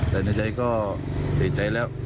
แต่ในใจก็เอกใจแล้ว